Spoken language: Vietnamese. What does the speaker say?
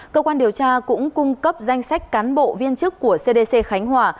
cơ quan điều tra cũng cung cấp danh sách cán bộ viên chức của cdc khánh hòa